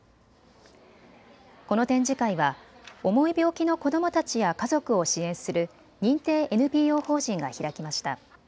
この展示会は重い病気の子どもたちや家族を支援する認定ＮＰＯ法人が開きました。